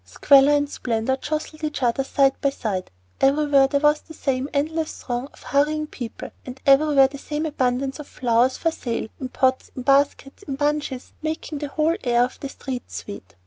Squalor and splendor jostled each other side by side; everywhere there was the same endless throng of hurrying people, and everywhere the same abundance of flowers for sale, in pots, in baskets, in bunches, making the whole air of the streets sweet.